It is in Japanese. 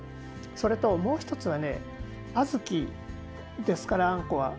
それと、もう１つは小豆ですから、あんこは。